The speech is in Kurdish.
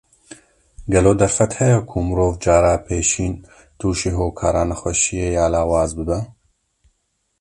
Gelo derfet heye ku mirov cara pêşîn tûşî hokara nexweşiyê ya lawaz bibe?